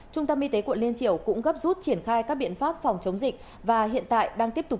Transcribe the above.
trung tâm y tế quận liên triều cũng gấp rút triển khai các biện pháp phòng chống dịch và hiện tại đang tiếp tục